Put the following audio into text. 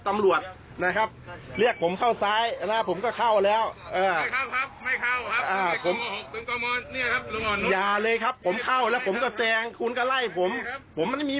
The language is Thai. มันไม่มีความผิดหรอกครับพี่